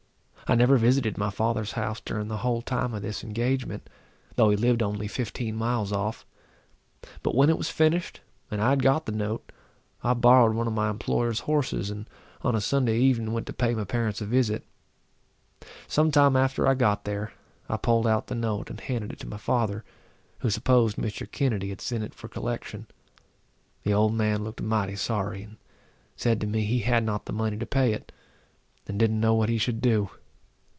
I never visited my father's house during the whole time of this engagement, though he lived only fifteen miles off. But when it was finished, and I had got the note, I borrowed one of my employer's horses, and, on a Sunday evening, went to pay my parents a visit. Some time after I got there, I pulled out the note and handed it to my father, who supposed Mr. Kennedy had sent it for collection. The old man looked mighty sorry, and said to me he had not the money to pay it, and didn't know what he should do.